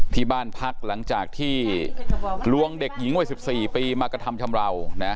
ที่บ้านพักหลังจากที่ลวงเด็กหญิงวัย๑๔ปีมากระทำชำราว